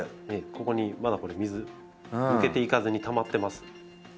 ここにまだこの水抜けていかずにたまってます。